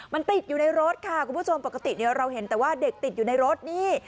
มันติดอยู่ในรถค่ะคุณผู้ชมปกติเนี่ยเราเห็นแต่ว่าเด็กติดอยู่ในรถนี่